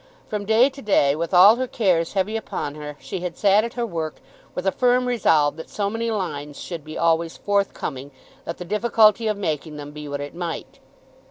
From day to day, with all her cares heavy upon her, she had sat at her work, with a firm resolve that so many lines should be always forthcoming, let the difficulty of making them be what it might.